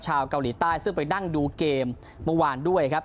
ชาวเกาหลีใต้ซึ่งไปนั่งดูเกมเมื่อวานด้วยครับ